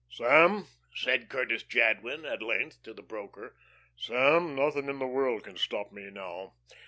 "Sam," said Curtis Jadwin, at length to the broker, "Sam, nothing in the world can stop me now.